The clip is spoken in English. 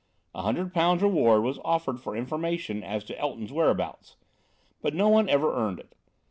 A hundred pounds reward was offered for information as to Elton's whereabouts. But no one ever earned it.